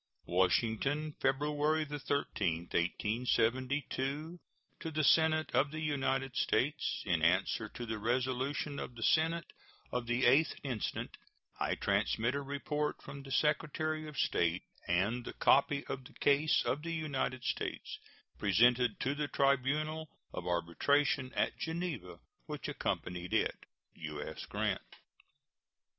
WASHINGTON, February 13, 1872. To the Senate of the United States: In answer to the resolution of the Senate of the 8th instant, I transmit a report from the Secretary of State and the copy of the case of the United States presented to the tribunal of arbitration at Geneva, which accompanied it. U.S. GRANT.